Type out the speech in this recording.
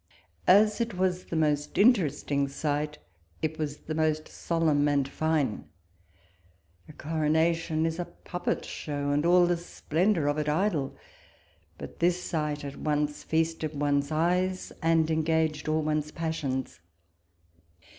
As it was the most interesting sight, it was the most solemn and fine : a coronation is a puppet show, and all the splendour of it idle ; but this sight at once feasted one's eyes and engaged all one's passions.